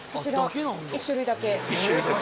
１種類だけ。